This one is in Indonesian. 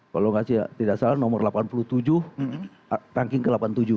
kalau tidak salah nomor delapan puluh tujuh ranking ke delapan puluh tujuh